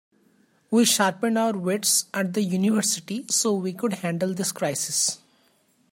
We sharpened our wits at university so we could handle this crisis.